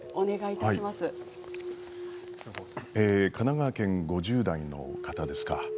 神奈川県５０代の方からです。